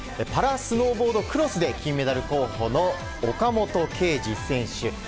パラスノーボードクロスで金メダル候補の岡本圭司選手。